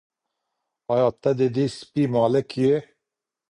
آیا ته د دې سپي مالیک یې؟